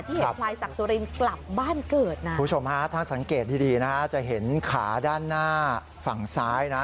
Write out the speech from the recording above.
เห็นพลายศักดิ์สุรินกลับบ้านเกิดนะคุณผู้ชมฮะถ้าสังเกตดีดีนะฮะจะเห็นขาด้านหน้าฝั่งซ้ายนะ